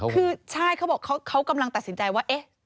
คือใช่เขาบอกเขากำลังตัดสินใจว่าเอ๊ะ